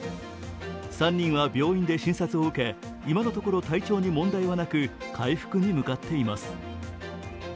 ３人は病院で診察を受け、今のところ体調に問題はなく回復に向かっています。